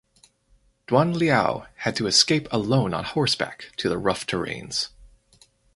Duan Liao had to escape alone on horseback to the rough terrains.